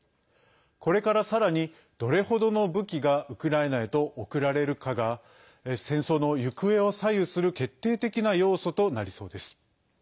これから、さらにどれほどの武器がウクライナへと送られるかが戦争の行方を左右する決定的な要素となりそうです。